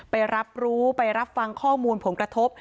ไปรับรู้ไปรับฟังข้อมูลผลกระทบ